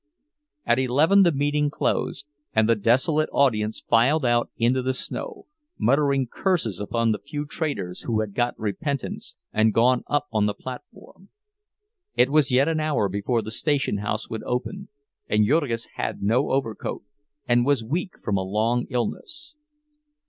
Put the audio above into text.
At eleven the meeting closed, and the desolate audience filed out into the snow, muttering curses upon the few traitors who had got repentance and gone up on the platform. It was yet an hour before the station house would open, and Jurgis had no overcoat—and was weak from a long illness.